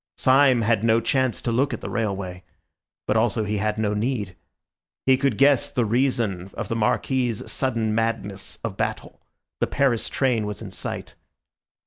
Syme had no chance to look at the railway; but also he had no need. He could guess the reason of the Marquis's sudden madness of battle—the Paris train was in sight.